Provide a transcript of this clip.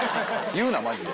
言うなマジで。